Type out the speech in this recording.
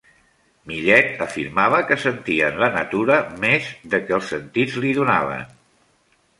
Millet afirmava que sentia en la natura més del que els sentits li donaven.